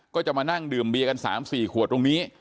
ก็จะมานั่งดื่มเบียกัน๓๔ขวดตรงนี้